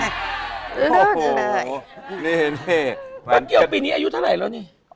เจ๊เกียวปีนี้อายุเท่าไหร่แล้วนี่